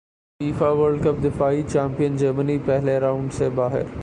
FIFA World Cup دفاعی champion جرمنی پہلے رانڈ سے ہی باہر